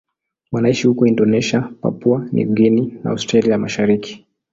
Wanaishi huko Indonesia, Papua New Guinea na Australia ya Mashariki.